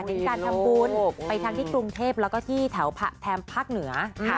เป็นการทำบุญไปทั้งที่กรุงเทพแล้วก็ที่แถวแถมภาคเหนือ